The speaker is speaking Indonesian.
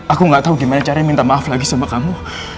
aku gak tau gimana caranya minta maaf lagi sama kamu